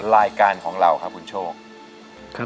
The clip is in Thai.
รายการของเราครับคุณโชค